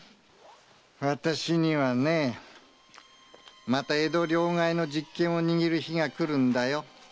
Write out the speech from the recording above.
私にはまた江戸両替の実権を握る日が来るんだよ。